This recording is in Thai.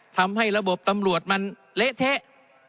ทำให้ระบบตำรวจมันเละเทะ